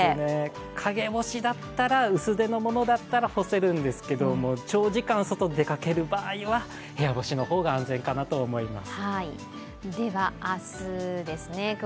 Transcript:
陰干しだったら薄手のものだったら干せるんですけれども、長時間外に出かける場合は部屋干しの方が安全かと思います。